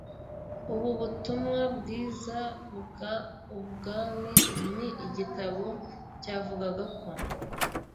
ubu butumwa bgiza bg ubgami n igitabo cyavugaga ko